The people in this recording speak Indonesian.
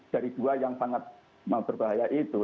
dari dua yang sangat berbahaya itu